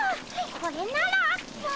これなら。